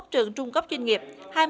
bốn mươi một trường trung cấp chuyên nghiệp